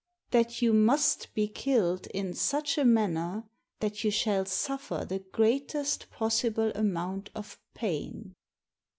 That you must be killed in such a manner that you shall sufTer the greatest possible amount of pain.